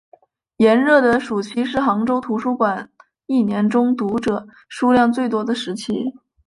炎热的暑期是杭州图书馆一年中读者数量最多的时期。